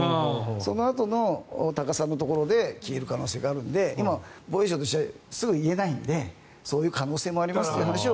そのあとの高さのところで消える可能性があるので今、防衛省としてはすぐに言えないのでそういう可能性もありますという話を。